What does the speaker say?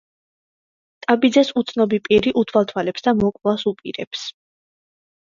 ტაბიძეს უცნობი პირი უთვალთვალებს და მოკვლას უპირებს.